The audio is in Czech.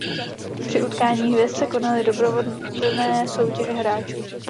Při utkání hvězd se konaly doprovodné soutěže hráčů.